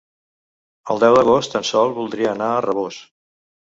El deu d'agost en Sol voldria anar a Rabós.